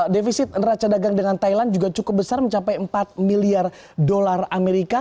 defisit neraca dagang dengan thailand juga cukup besar mencapai empat miliar dolar amerika